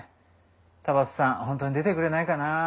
田畑さん本当に出てくれないかなあ。